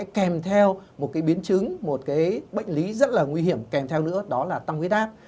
kèm theo một cái biến chứng một cái bệnh lý rất là nguy hiểm kèm theo nữa đó là tăng huyết áp